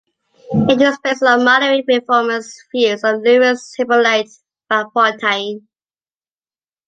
It was based on the moderate reformist views of Louis-Hippolyte Lafontaine.